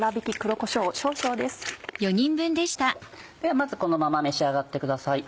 ではまずこのまま召し上がってください。